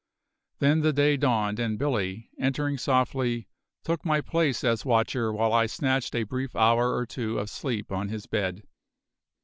Then the day dawned and Billy, entering softly, took my place as watcher while I snatched a brief hour or two of sleep on his bed.